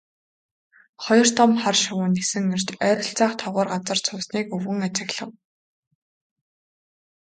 Хоёр том хар шувуу нисэн ирж ойролцоох товгор газарт суусныг өвгөн ажиглав.